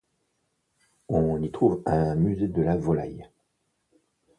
On y trouve un musée de la volaille.